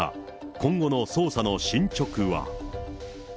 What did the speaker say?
今後の捜査の進捗は。